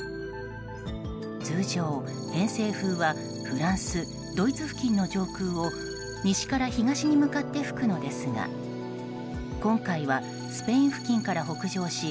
通常、偏西風はフランス、ドイツ付近の上空を西から東に向かって吹くのですが今回はスペイン付近から北上し